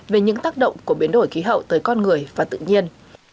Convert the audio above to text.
về những tác động của biến đổi khí hậu tới con người và tự nhiên